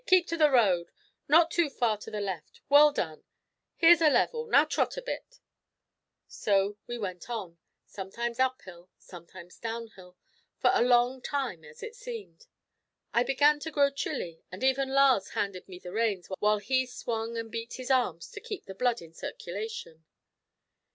"Keep to the road, not too far to the left. Well done. Here's a level; now trot a bit." So we went on sometimes up hill, sometimes down hill for a long time, as it seemed. I began to grow chilly, and even Lars handed me the reins, while he swung and beat his arms to keep the blood in circulation.